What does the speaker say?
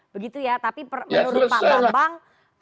begitu ya tapi menurut pak bambang